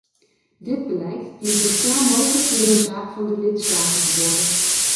Dit beleid dient zo snel mogelijk weer een zaak van de lidstaten te worden.